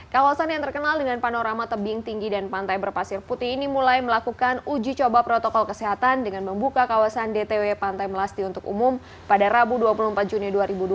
kawasan yang terkenal dengan panorama tebing tinggi dan pantai berpasir putih ini mulai melakukan uji coba protokol kesehatan dengan membuka kawasan dtw pantai melasti untuk umum pada rabu dua puluh empat juni dua ribu dua puluh